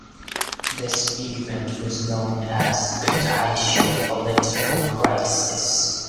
This event was known as the "Taisho Political Crisis".